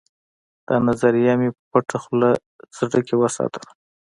دا نظریه مې په پټه خوله زړه کې وساتله